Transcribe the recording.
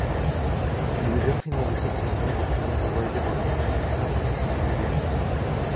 El video finaliza con una rutina de baile bajo una pequeña "lluvia de agua".